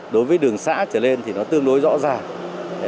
đối với đường xã trở lên thì nó tương đối rõ ràng